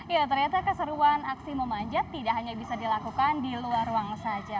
ya ternyata keseruan aksi memanjat tidak hanya bisa dilakukan di luar ruang saja